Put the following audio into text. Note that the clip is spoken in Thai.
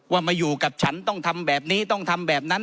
มาอยู่กับฉันต้องทำแบบนี้ต้องทำแบบนั้น